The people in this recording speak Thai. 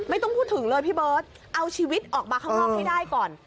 ไม่ต้องพูดถึงเลยพี่เบิร์ตเอาชีวิตออกมาข้างนอกให้ได้ก่อน